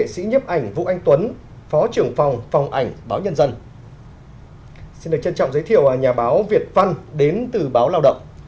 xin được trân trọng giới thiệu nhà báo việt văn đến từ báo lao động